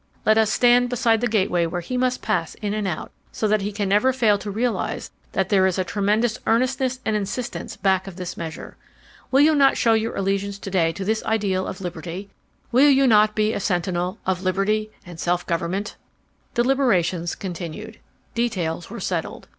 Let us stand beside the gateway where he must pass in and out, so that he can never fail to realize that there is a tremendous earnestness and insistence back of this measure. Will you not show your allegiance today to this ideal of liberty? Will you not be a silent sentinel of liberty and self government?" Deliberations continued. Details were settled.